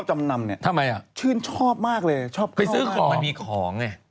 ถ้าไม่อยากชิบไปซื้อของเขยมีของ